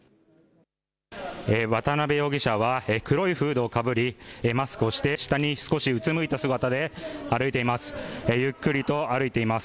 渡邉容疑者は黒いフードをかぶり、マスクをして、下に少しうつむいた姿で歩いています。